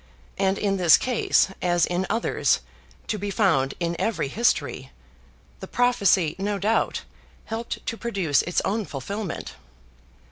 And in this case, as in others, to be found in every history, the prophecy, no doubt, helped to produce its own fulfilment.